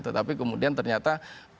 tetapi kemudian ternyata